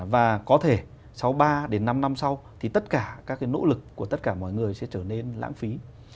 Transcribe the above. và có thể sáu ba đến năm năm sau thì tất cả các nỗ lực của tất cả mọi người sẽ trở nên lãng phí